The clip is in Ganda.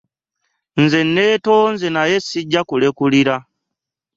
Nze nneetonze naye ssijja kulekulira.